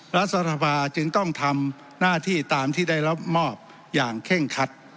รัฐสภาจึงต้องทำหน้าที่ตามที่ได้รับมอบอย่างเคร่งคัด